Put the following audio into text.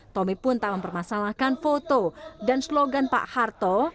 tommy pun tak mempermasalahkan foto dan slogan pak harto